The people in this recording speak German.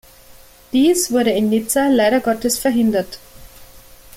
Dies wurde in Nizza leider Gottes verhindert.